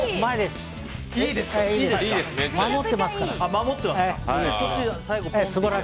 守ってますから。